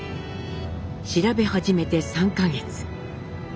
調べ始めて３か月。